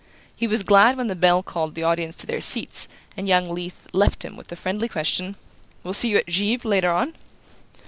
He was glad when the bell called the audience to their seats, and young Leath left him with the friendly question: "We'll see you at Givre later on?"